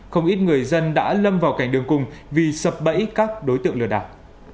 không ít người dân đã lâm vào cảnh đường cùng vì sập bẫy các đối tượng lừa đảo